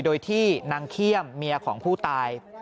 โดยที่นางเขี้ยมเมียของผู้ตาย